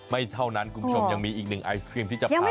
ไม่เท่านั้นคุณผู้ชมยังมีอีกหนึ่งไอศครีมที่จะทาน